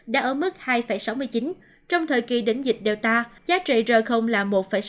đã ở mức hai sáu mươi chín trong thời kỳ đỉnh dịch delta giá trị r là một sáu